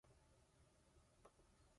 カレンダーに予定を書き込む。